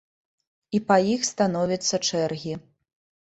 І па іх становяцца чэргі.